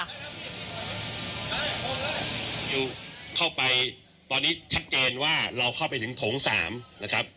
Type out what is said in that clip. เข้าไปตอนนี้ชัดเจนว่าเราเข้าไปถึงโถง๓นะครับ